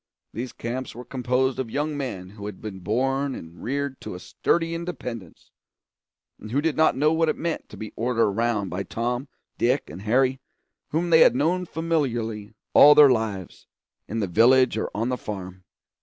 These camps were composed of young men who had been born and reared to a sturdy independence, and who did not know what it meant to be ordered around by Tom, Dick, and Harry, whom they had known familiarly all their lives, in the village or on the farm.